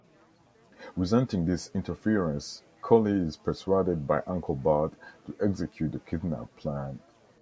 Resenting this interference, Collie is persuaded by Uncle Bud to execute the kidnap plan.